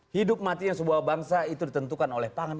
hidup matinya sebuah bangsa itu ditentukan oleh pangan